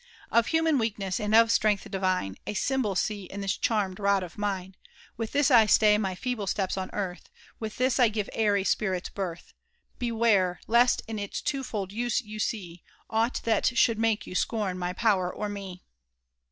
■^ Of buMiii weakMM^ jomI of stvength di^tee, A symbol see in this charm'd rod of mine !• Wfkk this I stay my feeble steps on earth, With Ab I pre %> airy spiritoUvUi. Beware!— >lest in its twofoU use yoasae Aught that should make you scorn my power or me.